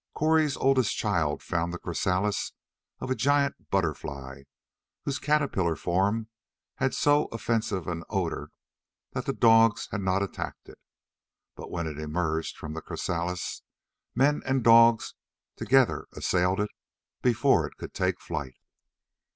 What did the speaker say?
Cori's oldest child found the chrysalis of a giant butterfly, whose caterpillar form had so offensive an odor that the dogs had not attacked it. But when it emerged from the chrysalis, men and dogs together assailed it before it could take flight.